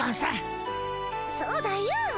そうだよ。